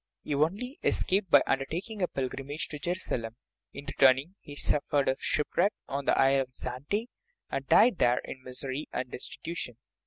He only escaped by undertaking a pil grimage to Jerusalem; in returning he suffered ship wreck on the Isle of Zante, and died there in misery and destitution.